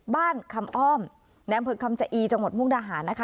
คำอ้อมในอำเภอคำชะอีจังหวัดมุกดาหารนะคะ